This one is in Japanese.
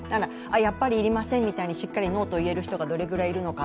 やっぱり要りませんとしっかりノーと言える人がどのくらいいるのか。